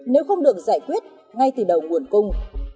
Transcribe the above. nếu không được giải quyết ngay từ đầu nguồn cung